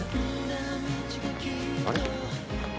あれ？